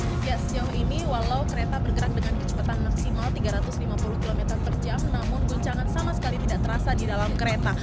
sejak sejauh ini walau kereta bergerak dengan kecepatan maksimal tiga ratus lima puluh km per jam namun goncangan sama sekali tidak terasa di dalam kereta